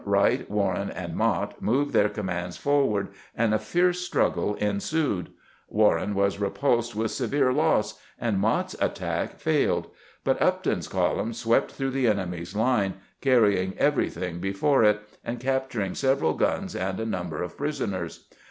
Wright, Warren, and Mott moved their commands forward, and a fierce struggle ensued. Warren was re pulsed with severe loss, and Mott's attack failed; but Upton's column swept through the enemy's Una, carry 96 CAMPAIGNING WITH GEANT ing everything before it, and capturing several guns and a number of prisoners.